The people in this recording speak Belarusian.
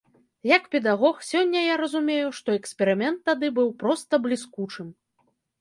Як педагог, сёння я разумею, што эксперымент тады быў проста бліскучым.